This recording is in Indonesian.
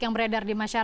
yang beredar di mana